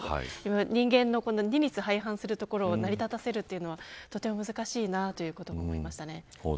人間の二律背反するところを成り立たせるのは難しいなと思いました。